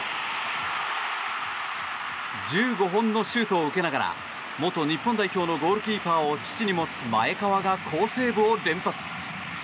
１５本のシュートを受けながら元日本代表のゴールキーパーを父に持つ前川が好セーブを連発。